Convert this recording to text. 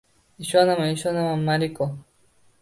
— Ishonaman, ishonaman, Moriko…